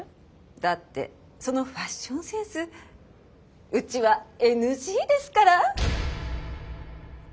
だってそのファッションセンスうちはＮＧですから。